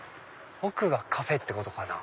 奥がカフェってことかな。